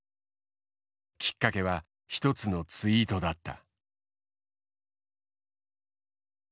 きっかけは１つのツイートだった。